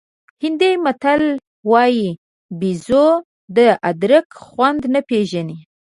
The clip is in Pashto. هندي متل وایي بېزو د ادرک خوند نه پېژني.